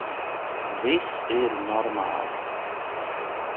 Viss ir normāli.